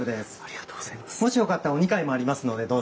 もしよかったらお二階もありますのでどうぞ。